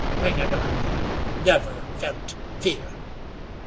Wingenund never felt fear."